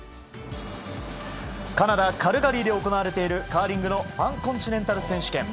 カナダ・カルガリーで行われているカーリングのパンコンチネンタル選手権。